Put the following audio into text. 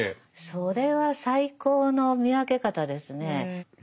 それは最高の見分け方ですねえ。